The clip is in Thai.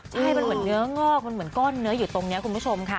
ใช่มันเหมือนเนื้องอกมันเหมือนก้อนเนื้ออยู่ตรงนี้คุณผู้ชมค่ะ